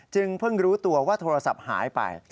เพิ่งรู้ตัวว่าโทรศัพท์หายไป